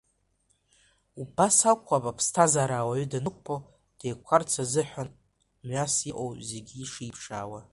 Убас акәхап, аԥсҭазаараз ауаҩы данықәԥо, деиқәхарц азыҳәан мҩас иҟоу зегьы шиԥшаауа.